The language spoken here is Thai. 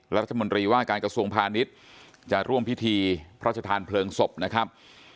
รัฐมนตรีว่าการกระทรวงพาณิชย์จะร่วมพิธีพระชธานเพลิงศพนะครับ